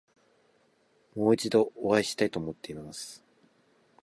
もう一度お会いしたいと思っています。